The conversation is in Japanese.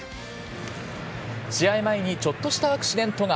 試合前にちょっとしたアクシデントが。